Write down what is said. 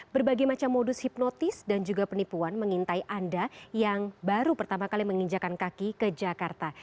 berbagai macam modus hipnotis dan juga penipuan mengintai anda yang baru pertama kali menginjakan kaki ke jakarta